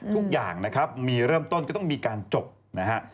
ทุกอย่างนะครับมีเริ่มต้นก็ต้องมีการจบนะฮะ